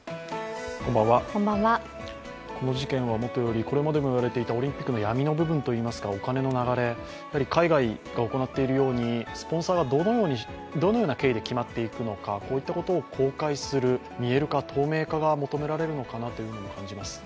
この事件はもとよりこれまでいわれていたオリンピックの闇の部分というかお金の流れ、海外が行っているようにスポンサーがどのような経緯で決まっていくのか、こういったことを公開する見える化、透明化が求められるのかなと感じます。